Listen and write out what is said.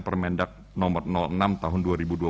permendag nomor enam tahun